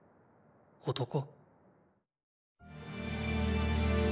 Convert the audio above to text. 男？